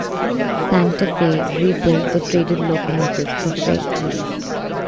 Santa Fe rebuilt the traded locomotives for freight use.